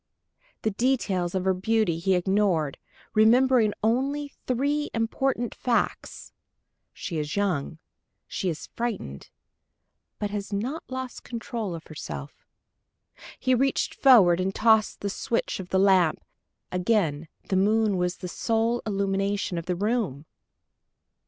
The details of her beauty he ignored, remembering only three important facts: "She is young, she is frightened but has not lost control of herself." He reached forward and touched the switch of the lamp. Again the moon was the sole illumination of the room!